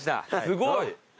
すごい！